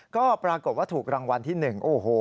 ก็ปรากฏว่าถูกรางวัลที่๑โอ้โห